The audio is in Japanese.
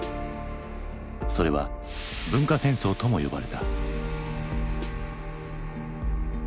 それは文化戦争とも呼ばれた。